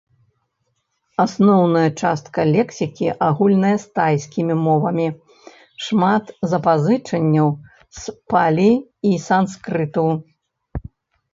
Асноўная частка лексікі агульная з тайскімі мовамі, шмат запазычанняў з палі і санскрыту.